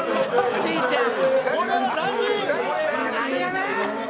おじいちゃん。